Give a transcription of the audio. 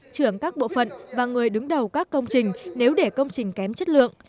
trưởng các bộ phận và người đứng đầu các công trình nếu để công trình kém chất lượng